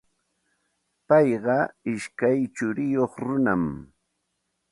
Payqa ishkay churiyuq runam.